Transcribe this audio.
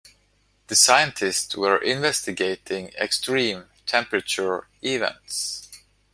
The scientists were investigating extreme temperature events.